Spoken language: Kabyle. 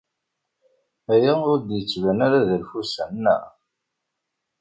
Aya ur d-yettban ara d alfusan, naɣ?